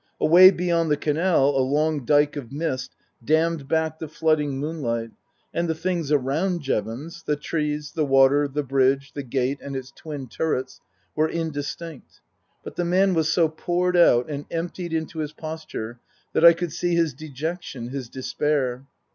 Away beyond the canal a long dyke of mist dammed back the flooding moonlight, and the things around Jevons the trees, the water, the bridge, the gate and its twin turrets were indistinct. But the man was so poured out and emptied into his posture that I could see his dejection, his despair.